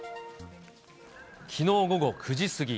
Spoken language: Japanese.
きのう午後９時過ぎ。